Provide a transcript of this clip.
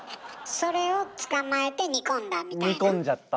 それを捕まえて煮込んだみたいな？